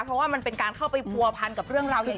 เพราะว่ามันเป็นการเข้าไปผัวพันกับเรื่องราวใหญ่